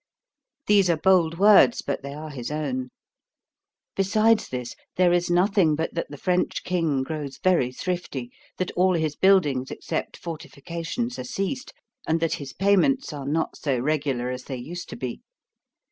These are bold words, but they are his own. Besides this, there is nothing but that the French King grows very thrifty, that all his buildings, except fortifications, are ceased, and that his payments are not so regular as they used to be.